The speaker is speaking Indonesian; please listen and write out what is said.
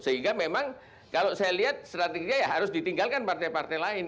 sehingga memang kalau saya lihat strateginya ya harus ditinggalkan partai partai lain